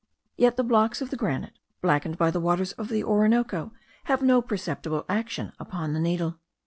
Yet the blocks of the granite, blackened by the waters of the Orinoco, have no perceptible action upon the needle.